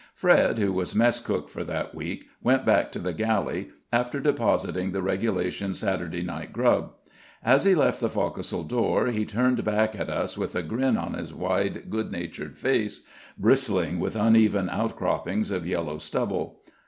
Fred, who was mess cook for that week, went back to the galley, after depositing the regulation Saturday night grub. As he left the fo'c'sle door he turned back at us with a grin on his wide good natured face, bristling with uneven outcroppings of yellow stubble.